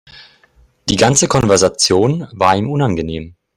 Die ganze Konversation war ihm unangenehm.